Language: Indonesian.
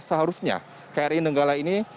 seharusnya kary negara ini